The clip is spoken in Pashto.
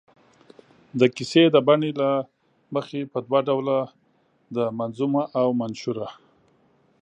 کیسه د بڼې له مخې په دوه ډوله ده، منظومه او منثوره.